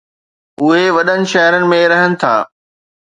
اهي وڏن شهرن ۾ رهن ٿا